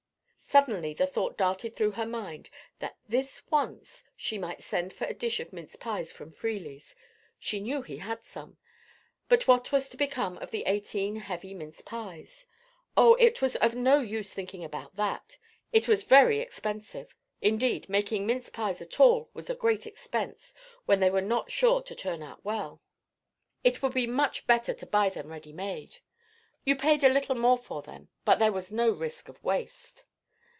Suddenly the thought darted through her mind that this once she might send for a dish of mince pies from Freely's: she knew he had some. But what was to become of the eighteen heavy mince pies? Oh, it was of no use thinking about that; it was very expensive—indeed, making mince pies at all was a great expense, when they were not sure to turn out well: it would be much better to buy them ready made. You paid a little more for them, but there was no risk of waste.